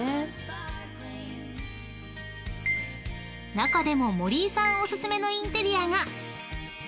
［中でも森井さんおすすめのインテリアが］